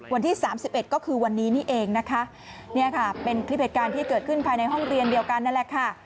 วันที่สามสิบเอ็ดก็คือวันนี้นี่เองนะคะเนี่ยค่ะเป็นคลิปเหตุการณ์ที่เกิดขึ้นภายในห้องเรียนเดียวกันนั่นแหละค่ะ